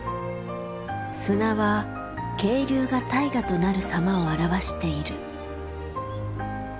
砂は渓流が大河となる様を表している。